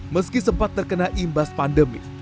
meski sempat terkena imbas pandemi